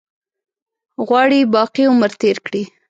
غواړي باقي عمر تېر کړي.